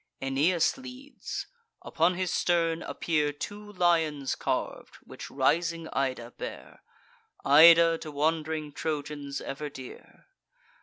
Aeneas leads; upon his stern appear Two lions carv'd, which rising Ida bear— Ida, to wand'ring Trojans ever dear.